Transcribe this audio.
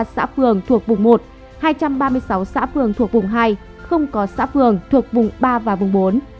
hai trăm ba mươi sáu xã phường thuộc vùng một hai trăm ba mươi sáu xã phường thuộc vùng hai không có xã phường thuộc vùng ba và vùng bốn